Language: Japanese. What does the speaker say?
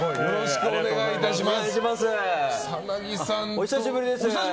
よろしくお願いします！